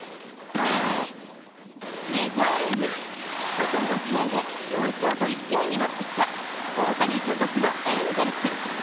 メジャーリーグ、ここ５試合で４勝と勢いに乗ってきた大谷所属のエンゼルス。